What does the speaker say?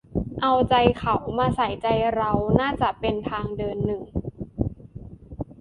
"เอาใจเขามาใส่ใจเรา" น่าจะเป็นทางเดินหนึ่ง